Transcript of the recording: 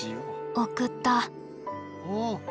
送った。